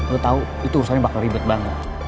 lo tau itu urusan bakal ribet banget